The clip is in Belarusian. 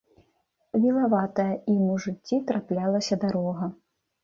Вілаватая ім у жыцці траплялася дарога.